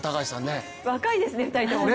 若いですね、２人とも。